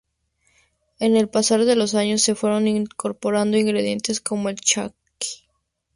Con el pasar de los años se fueron incorporando ingredientes como el charqui.